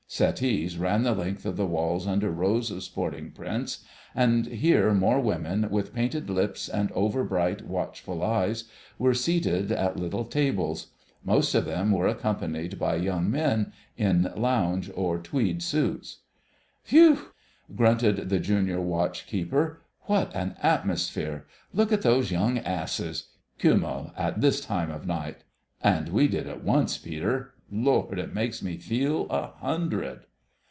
Settees ran the length of the walls under rows of sporting prints, and here more women, with painted lips and over bright, watchful eyes, were seated at little tables. Most of them were accompanied by young men in lounge or tweed suits. "Phew," grunted the Junior Watch keeper, "what an atmosphere! Look at those young asses.... Kümmel at this time of night.... And we did it once, Peter! Lord! it makes me feel a hundred."